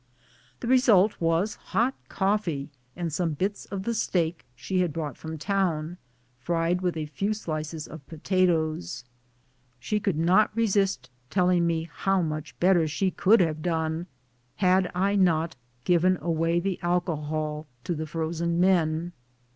The result was hot coffee and some bits of the steak she had brought from town, A BLIZZARD. 25 fried with a few slices of potatoes. She could not re sist telling me how much better she could have done had I not given away the alcohol, to the frozen men